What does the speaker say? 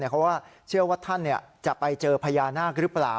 เพราะว่าเชื่อว่าท่านจะไปเจอพญานาคหรือเปล่า